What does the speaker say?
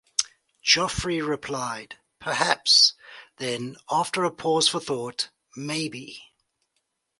Joffre replied, "Perhaps," then, after a pause for thought, "Maybe.